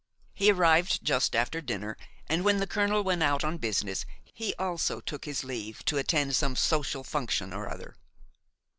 He arrived just after dinner, and when the colonel went out on business, he also took his leave to attend some social function or other.